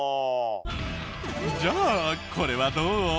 じゃあこれはどう？